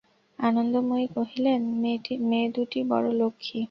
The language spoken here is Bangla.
আনন্দময়ী কহিলেন, মেয়ে দুটি বড়ো লক্ষ্ণী।